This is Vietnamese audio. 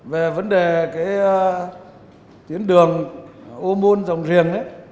về vấn đề cái tiến đường ôn môn dòng ghiền